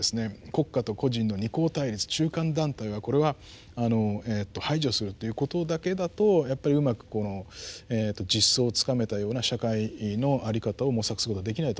国家と個人の二項対立中間団体はこれは排除するということだけだとやっぱりうまく実相をつかめたような社会の在り方を模索することはできないと思います。